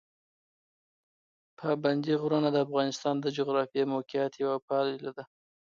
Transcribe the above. پابندي غرونه د افغانستان د جغرافیایي موقیعت یوه پایله ده.